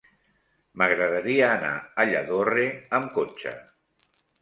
M'agradaria anar a Lladorre amb cotxe.